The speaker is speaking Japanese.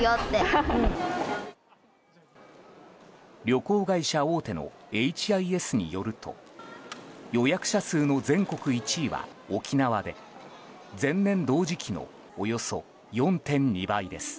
旅行会社大手のＨＩＳによると予約者数の全国１位は沖縄で前年同時期のおよそ４．２倍です。